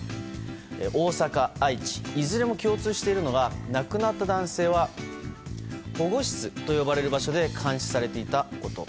大阪、愛知いずれも共通しているのが亡くなった男性は保護室と呼ばれる場所で監視されていたこと。